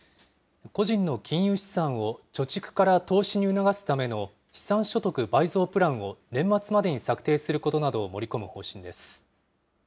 個人の金融資産を貯蓄から投資に促すための資産所得倍増プランを年末までに策定することなどを盛り込む方針です。